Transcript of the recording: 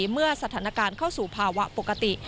เมื่อสถานการณ์เข้าสู่ภาวะปกติ